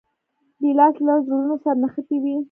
ګیلاس له زړونو سره نښتي وي.